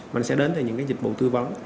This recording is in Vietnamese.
mình sẽ đến từ những cái dịch vụ tư vấn